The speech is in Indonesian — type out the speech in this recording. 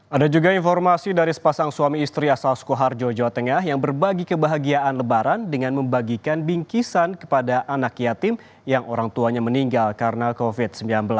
ada juga informasi dari sepasang suami istri asal sukoharjo jawa tengah yang berbagi kebahagiaan lebaran dengan membagikan bingkisan kepada anak yatim yang orang tuanya meninggal karena covid sembilan belas